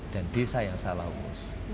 dan desa yang salah urus